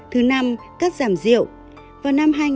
thứ năm cắt giảm rượu